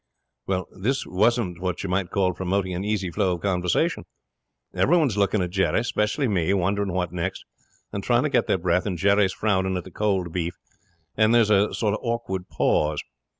'Well, all this wasn't what you might call promoting an easy flow of conversation. Everyone's looking at Jerry, 'specially me, wondering what next, and trying to get their breath, and Jerry's frowning at the cold beef, and there's a sort of awkward pause.